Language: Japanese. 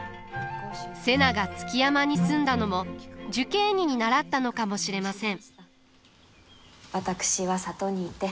瀬名が築山に住んだのも寿桂尼に倣ったのかもしれません。